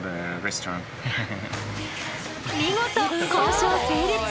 見事交渉成立！